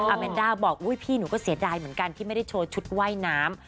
แมนด้าบอกอุ๊ยพี่หนูก็เสียดายเหมือนกันที่ไม่ได้โชว์ชุดว่ายน้ำ